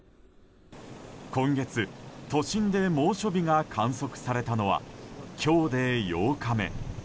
今月、都心で猛暑日が観測されたのは今日で８日目。